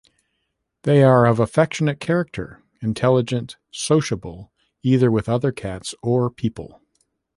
They are of affectionate character, intelligent, sociable, either with other cats or people.